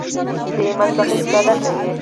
د ایمیل څخه استفاده کوئ؟